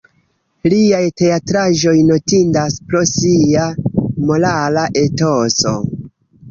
Liaj teatraĵoj notindas pro sia morala etoso.